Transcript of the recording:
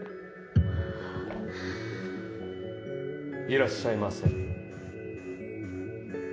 いらっしゃいませ。